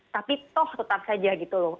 tapi toh tetap saja gitu loh